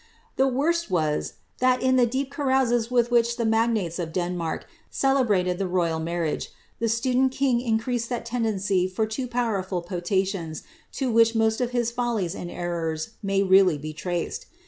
The worst was, that, in the deep carouses with which the m^naies or" Demiiark celebrated the royal marriage, the student king increased thai tendency for loo powerful potations to which most of his follies sitJ errors may really be traced.